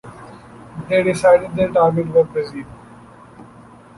They decided their target was Brazil.